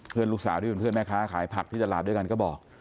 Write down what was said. ลูกสาวที่เป็นเพื่อนแม่ค้าขายผักที่ตลาดด้วยกันก็บอก